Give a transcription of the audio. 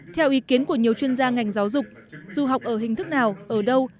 theo ý kiến của nhiều chuyên gia ngành giáo dục dù học ở hình thức nào ở đâu